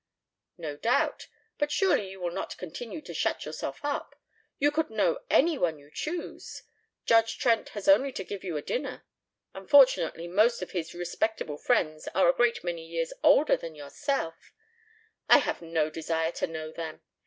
"No doubt. But surely you will not continue to shut yourself up? You could know any one you choose. Judge Trent has only to give you a dinner. Unfortunately most of his respectable friends are a great many years older than yourself " "I have no desire to know them.